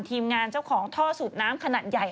ทีมงานเจ้าของท่อสูบน้ำขนาดใหญ่